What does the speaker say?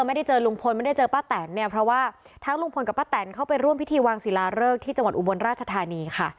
ไม่ได้เจอลุงพลไม่ได้เจอป้าแตนเนี่ยเพราะว่าทั้งลุงพลกับป้าแตนเข้าไปร่วมพิธีวางศิลาเริกที่จังหวัดอุบลราชธานีค่ะ